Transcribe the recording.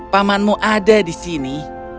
pamanmu ada di sini